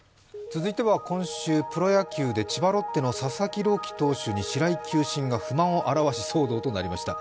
続いては今週、プロ野球で千葉ロッテの佐々木朗希投手に白井球審が不満を表し、騒動となりました。